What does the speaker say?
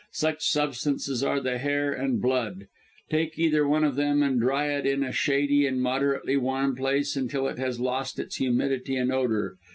Such substances are the hair and blood. Take either one of them, and dry it in a shady and moderately warm place, until it has lost its humidity and odour.